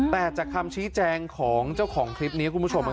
แต่จากคำชี้แจงของเจ้าของคลิปนี้คุณผู้ชม